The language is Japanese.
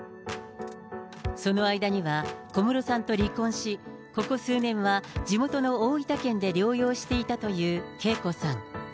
その間には小室さんと離婚し、ここ数年は地元の大分県で療養していたというＫＥＩＫＯさん。